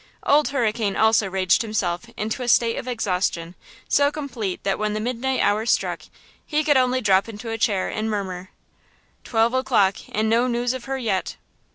Old Hurricane also raged himself into a state of exhaustion so complete that when the midnight hour struck he could only drop into a chair and murmur: "Twelve o'clock and no news of her yet!"